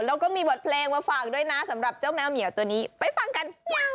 แล้วก็มีบทเพลงมาฝากด้วยนะสำหรับเจ้าแมวเหมียวตัวนี้ไปฟังกัน